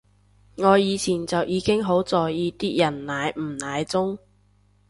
我以前就已經好在意啲人奶唔奶中